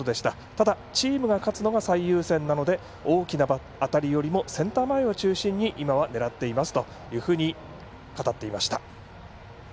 ただ、チームが勝つのが最優先なので大きな当たりよりセンター前を中心に今は狙っていますと語っていました。